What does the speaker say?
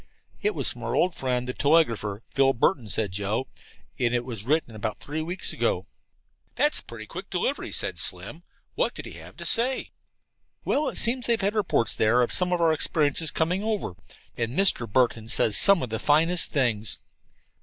"It was from our old friend, the telegrapher, Philip Burton," said Joe, "and it was written about three weeks ago." "That's pretty quick delivery," said Slim. "What did he have to say?" "Well, it seems they've had reports there of some of our experiences coming over, and Mr. Burton says some of the finest things."